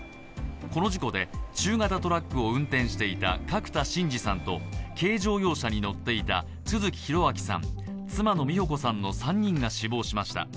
この事故で中型トラックを運転していた角田進治さんと軽乗用車に乗っていた都築弘明さん、妻の美保子さんの３人が死亡しました。